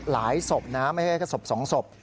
หลายศพไม่ใช่แค่ศพสองศพ